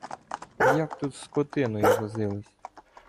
Як тут з скотиною возились